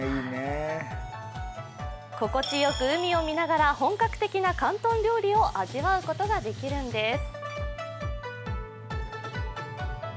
心地よく海を見ながら本格的な広東料理を味わうことができるんです。